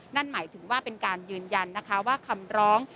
นั่นหมายถึงว่าเป็นการยืนยันนะคะว่าคำร้อง